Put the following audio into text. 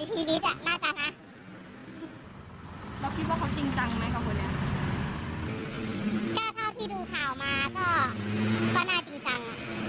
ก็เท่าที่ดูข่าวมาก็ก็น่าจริงจังอะ